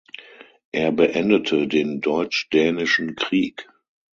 Er beendete den Deutsch-Dänischen Krieg.